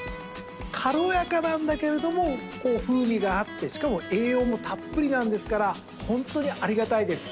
軽やかなんだけれどもこう風味があってしかも栄養もたっぷりなんですからホントにありがたいです。